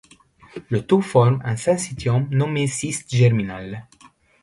Le tout forme un syncytium nommé cyste germinal.